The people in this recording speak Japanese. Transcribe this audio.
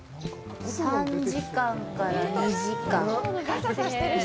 ３時間から２時間に。